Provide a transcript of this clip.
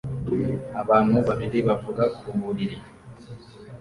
Abantu babiri bavuga ku buriri